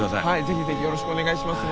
ぜひぜひよろしくお願いします。